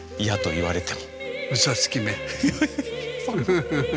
フフフ！